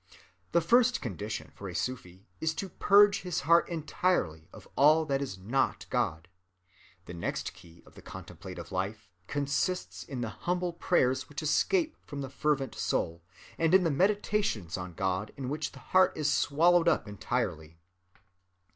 The first condition for a Sufi is to purge his heart entirely of all that is not God. The next key of the contemplative life consists in the humble prayers which escape from the fervent soul, and in the meditations on God in which the heart is swallowed up entirely.